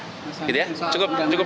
gitu ya cukup cukup